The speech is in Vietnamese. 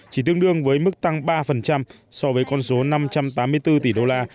chỉ tương đương với mức tăng ba so với con số năm trăm tám mươi bốn tỷ đô la